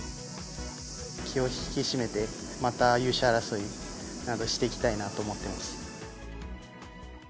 気を引き締めて、また優勝争いなどしていきたいなと思っています。